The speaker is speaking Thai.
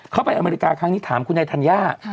ไปอเมริกาครั้งนี้ถามคุณนายธัญญา